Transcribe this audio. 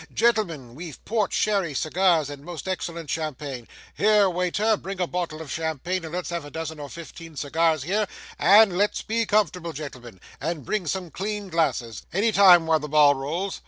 Gentlemen, we've port, sherry, cigars, and most excellent champagne. Here, wai ter, bring a bottle of champagne, and let's have a dozen or fifteen cigars here and let's be comfortable, gentlemen and bring some clean glasses any time while the ball rolls!